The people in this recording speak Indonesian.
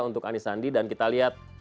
untuk anies sandi dan kita lihat